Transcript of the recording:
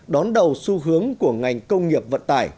đón đầu xu hướng của ngành công nghiệp vận tải